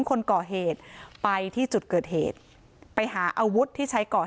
คนก่อเหตุไปที่จุดเกิดเหตุไปหาอาวุธที่ใช้ก่อเหตุ